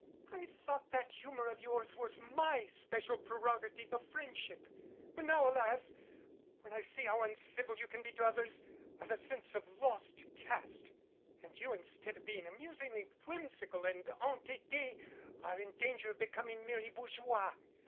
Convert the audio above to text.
I thought that humor of yours was my special prerogative of friendship. But now alas ! When I see how uncivil 17 MADCAP you can be to others I have a sense of lost caste. And you instead of being amusingly whimsical and entete are in danger of becoming merely bourgeois.